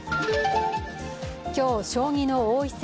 今日、将棋の王位戦